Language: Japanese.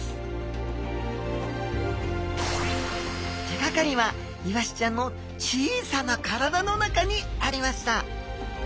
手がかりはイワシちゃんの小さな体の中にありました